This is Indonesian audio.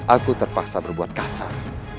aku terpaksa berbuat kasar